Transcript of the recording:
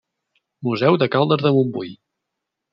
Museu de Caldes de Montbui.